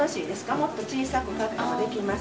もっと小さいカットはできます